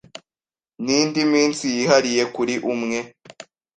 n’indi minsi yihariye kuri umwe